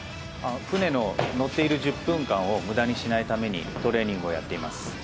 船の乗っている１０分間を無駄にしないためにトレーニングをやっています。